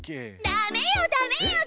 ダメよダメよ！